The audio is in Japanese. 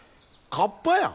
カッパやん。